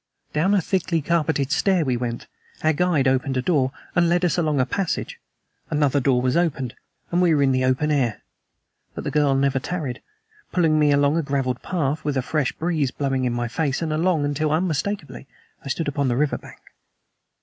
Down a thickly carpeted stair we went. Our guide opened a door, and led us along a passage. Another door was opened; and we were in the open air. But the girl never tarried, pulling me along a graveled path, with a fresh breeze blowing in my face, and along until, unmistakably, I stood upon the river bank.